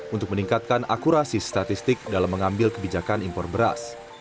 untuk meningkatkan akurasi statistik dalam mengambil kebijakan impor beras